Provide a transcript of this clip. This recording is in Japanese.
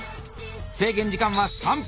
制限時間は３分。